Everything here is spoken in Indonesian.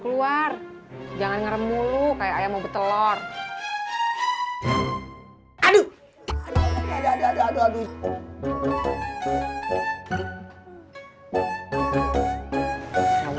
keluar jangan ngerem mulu kayak ayam mau betelor aduh aduh aduh aduh aduh aduh aduh